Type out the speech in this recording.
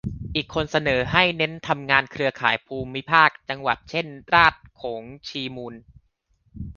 อีกคนเสนอให้เน้นทำงานเครือข่ายภูมิภาค-จังหวัด เช่น ราษฎรโขงชีมูล